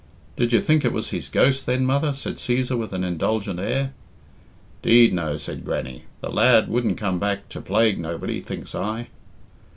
"Did you think it was his ghost, then, mother!" said Cæsar with an indulgent air. "'Deed no," said Grannie. "The lad wouldn't come back to plague nobody, thinks I."